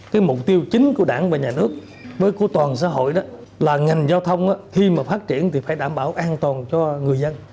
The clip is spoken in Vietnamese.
cái mục tiêu chính của đảng và nhà nước của toàn xã hội đó là ngành giao thông khi mà phát triển thì phải đảm bảo an toàn cho người dân